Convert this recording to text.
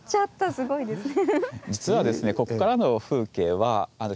すごいですね。